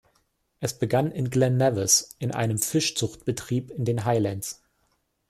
Es begann in Glen Nevis, in einem Fischzuchtbetrieb in den Highlands.